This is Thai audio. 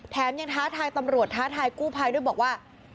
แถมยังท้าทายตำรวจท้าทายกู้ภัยด้วยบอกว่า